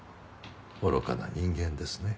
愚かな人間ですね。